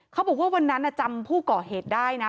เขาบอกว่าวันนั้นจำผู้ก่อเหตุได้นะ